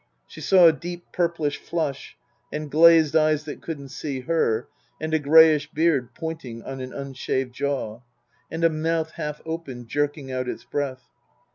She saw a deep purplish flush and glazed eyes that couldn't see her, and a greyish beard pointing on an unshaved jaw ; and a mouth half open, jerking out its breath.